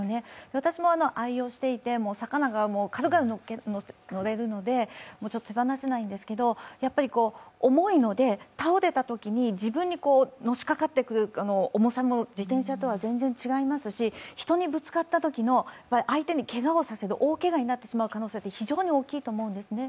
私も愛用していて、坂なんか軽々乗れるので手放せないんですけれども重いので、倒れたときに自分にのしかかってくる重さも自転車とは全然違いますし、人にぶつかったときの、相手にけがをさせる大けがになってしまう可能性は非常に大きいと思うんですね。